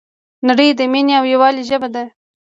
نړۍ د مینې او یووالي ژبه ده.